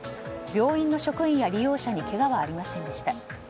病院の職員や利用者にけがはありませんでした。